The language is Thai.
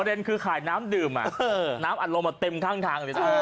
ประเด็นคือขายน้ำดื่มน้ำอันโลมเต็มทั้งอยู่ตรงนี้